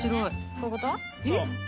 こういうこと？